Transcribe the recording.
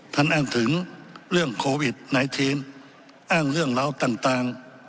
ท่านอ้างถึงเรื่องโควิดไนทีนอ้างเรื่องราวต่าง